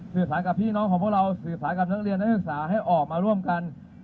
สื่อสารกับพี่น้องของพวกเราสื่อสารกับนักเรียนนักศึกษาให้ออกมาร่วมกัน